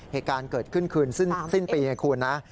เหตุการณ์เกิดขึ้นคืนสิ้นปีไงคุณนะ